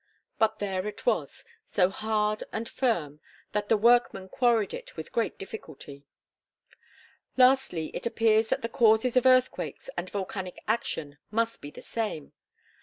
But there it was, so hard and firm that the workmen quarried it with great difficulty. Lastly, it appears that the causes of earthquakes and volcanic action must be the same.